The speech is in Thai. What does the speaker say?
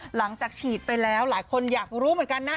หลังจากฉีดไปแล้วหลายคนอยากรู้เหมือนกันนะ